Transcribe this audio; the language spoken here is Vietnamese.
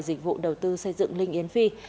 dịch vụ đầu tư xây dựng linh yên phi